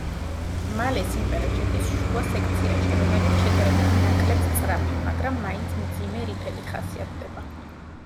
მალე სიმღერა შედის შუა სექციაში, რომელიც შედარებით ნაკლებ სწრაფი, მაგრამ მაინც მძიმე რიფებით ხასიათდება.